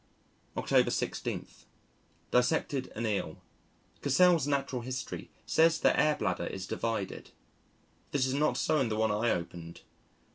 October 16. Dissected an Eel. Cassell's Natural History says the Air bladder is divided. This is not so in the one I opened.